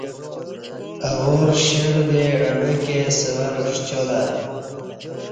اہ وار شیردے عوہ کے سورہ ݜیالہ